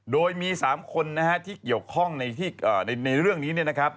โดยมี๓คนนะฮะที่เกี่ยวข้องในเรื่องนี้นะครับ